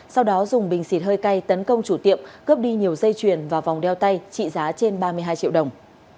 sau đó dùng bình xịt hơi cay tấn công chủ tiệm cướp đi nhiều dây chuyền và vòng đeo tay trị giá trên ba mươi hai triệu đồng